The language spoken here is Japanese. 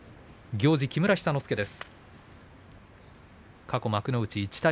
行司は木村寿之介です。